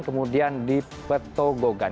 kemudian di petogogan